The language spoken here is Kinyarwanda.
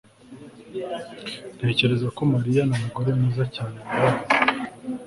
Ntekereza ko Mariya numugore mwiza cyane nabonye